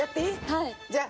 はい。